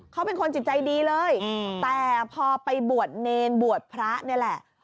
เขาเป็นคนจิตใจดีเลยแต่พอไปบวชเนรบวชพระนี่แหละ